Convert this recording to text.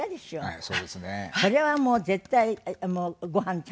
はい。